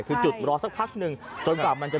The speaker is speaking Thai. คือจุดรอสักพักหนึ่งจนกว่ามันจะ